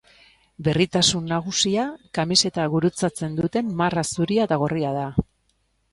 Berritasun nagusia, kamiseta gurutzatzen duten marra zuria eta gorria da.